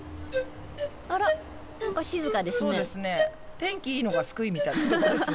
天気いいのが救いみたいなとこですね